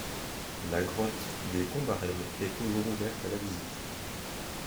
La grotte des Combarelles est toujours ouverte à la visite.